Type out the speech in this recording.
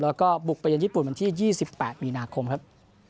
แล้วก็บุกไปจนญี่ปุ่นวันที่ยี่สิบแปดวินาคมครับ